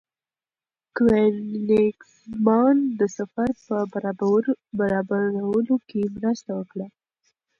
کوېنیګزمان د سفر په برابرولو کې مرسته وکړه.